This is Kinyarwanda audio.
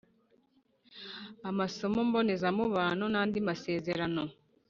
Amasomo mbonezamubano n’andi masezerano